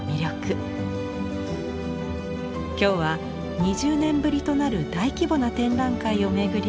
今日は２０年ぶりとなる大規模な展覧会を巡り